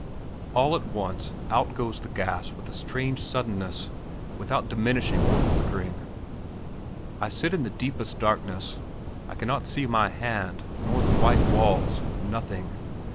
All at once out goes the gas with a strange suddenness, without diminishing or flickering. I sit in the deepest darkness; I cannot see my hand, nor the white walls nothing.